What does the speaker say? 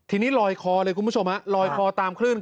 ทีนี้ลอยคอเลยคุณผู้ชมฮะลอยคอตามคลื่น